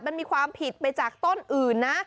มันมีความผิดไปจากต้นอื่นนะ